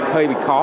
hơi bị khó